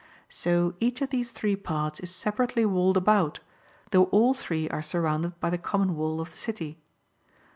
So each of these three parts is separately walled about, though all three are surrounded by the com mon wall of the city.